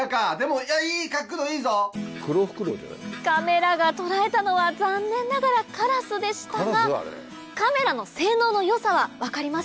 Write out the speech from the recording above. カメラが捉えたのは残念ながらカラスでしたがカメラの性能の良さは分かりましたね